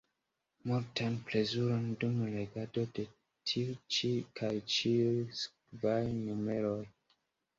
Multan plezuron dum legado de tiu ĉi kaj ĉiuj sekvaj numeroj!